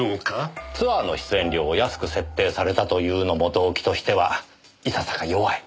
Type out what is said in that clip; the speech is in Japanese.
ツアーの出演料を安く設定されたというのも動機としてはいささか弱い。